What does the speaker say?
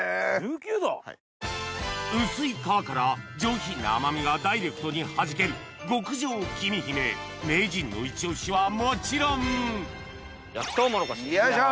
１９度⁉薄い皮から上品な甘みがダイレクトにはじける極上きみひめ名人のイチ押しはもちろんよいしょ！